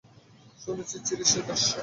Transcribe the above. শুনেছিস, ইরিশের বেশ্যা?